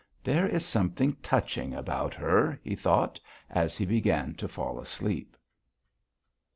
"There is something touching about her," he thought as he began to fall asleep.